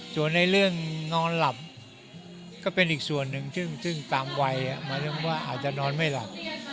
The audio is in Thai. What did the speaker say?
ส่วนในเรื่องนอนหลับก็เป็นอีกส่วนหนึ่งซึ่งตามวัยหมายถึงว่าอาจจะนอนไม่หลับ